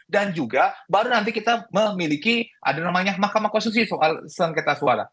dan juga baru nanti kita memiliki ada namanya mahkamah konstitusi soal sengketa suara